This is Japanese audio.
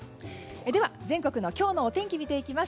では、全国の今日のお天気を見ていきます。